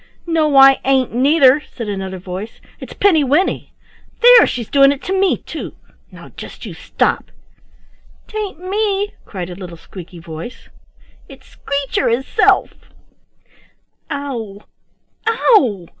"No I ain't, neither," said another voice. "It's Pinny winny. There, she's doing it to me, too. Now just you stop." "'Tain't me," cried a little squeaky voice; "it's Screecher hisself. Ow! Ow!